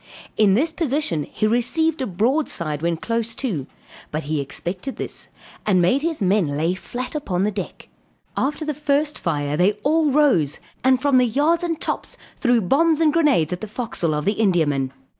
In this position he received a broadside when close too; but he expected this, and made his men lay flat upon the deck. After the first fire they all rose, and from the yards and tops, threw bombs and grenades into the forecastle of the Indiaman.